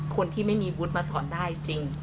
คนที่ไม่มีวุฒิมาสอนได้จริง